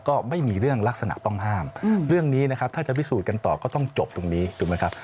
ก็ไม่มีเรื่องลักษณะต้องห้ามเรื่องนี้นะครับถ้าจะพิสูจน์กันต่อก็ต้องจบตรงนี้ถูกไหมครับ